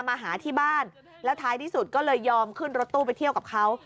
มาหาที่บ้านแล้วท้ายที่สุดก็เลยยอมขึ้นรถตู้ไปเที่ยวกับเขา